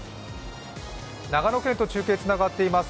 長野県と中継がつながっています。